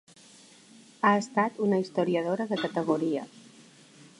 Ha estat una historiadora de categoria.